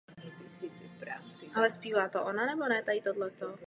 Když Portugalsko předsedalo Radě, vždy dělalo vše pro společný zájem.